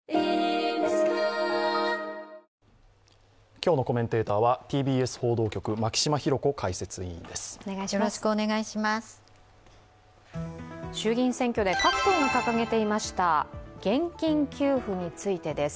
今日のコメンテーターはＴＢＳ報道局牧嶋博子解説委員です。